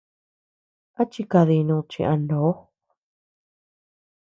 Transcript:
¿A chikadinud chi a ndo?